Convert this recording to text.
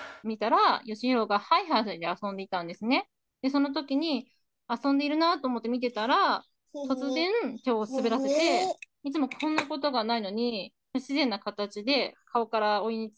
そのときに遊んでいるなと思って見てたら突然手を滑らせていつもこんなことがないのに不自然なかたちで顔からお湯に突っ込んでいってしまったんですね。